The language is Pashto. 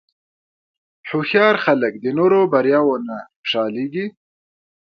هوښیار خلک د نورو بریاوو نه خوشحالېږي.